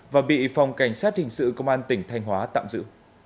và bị phòng cảnh sát hình sự công an tỉnh thanh hóa tạm giữ